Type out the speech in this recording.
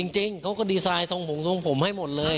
จริงเขาก็ดีไซน์ทรงผมทรงผมให้หมดเลย